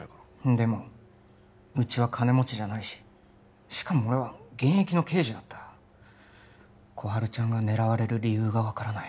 でもうちは金持ちじゃないししかも俺は現役の刑事だった心春ちゃんが狙われる理由が分からない